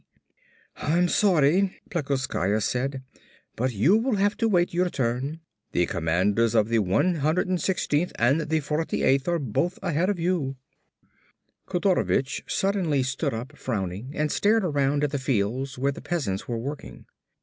"I'm sorry," Plekoskaya said, "but you will have to wait your turn. The commanders of the 116th and the 48th are both ahead of you." Kodorovich suddenly stood up frowning and stared around at the fields where the peasants were working.